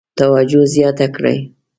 توجه زیاته کړي.